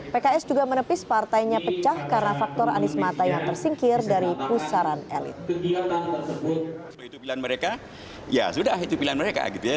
pks juga menepis partainya pecah karena faktor anies mata yang tersingkir dari pusaran elit